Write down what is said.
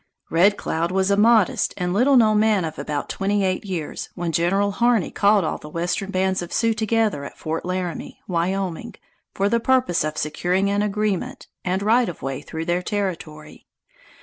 Red Cloud was a modest and little known man of about twenty eight years, when General Harney called all the western bands of Sioux together at Fort Laramie, Wyoming, for the purpose of securing an agreement and right of way through their territory.